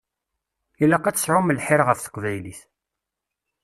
Ilaq ad tesɛum lḥir ɣef teqbaylit.